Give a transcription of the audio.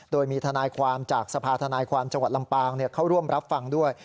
โดยมีทนายความจากสภาธนายความจังหวัดลำปางเข้าร่วมรับฟังด้วย